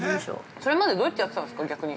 ◆それまでどうやってやってたんですか、逆に。